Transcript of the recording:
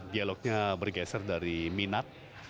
dialognya bergeser dari minat